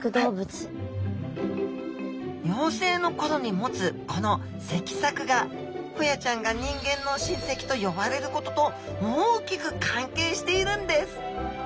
幼生の頃に持つこの脊索がホヤちゃんが人間の親せきと呼ばれることと大きく関係しているんです。